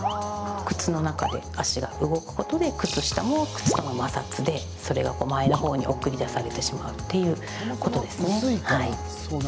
靴の中で足が動くことで靴下も靴との摩擦でそれが前の方に送り出されてしまうっていうことですね。